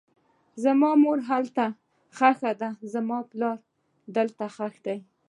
زما مور هلته ښخه ده, زما پلار هلته ښخ دی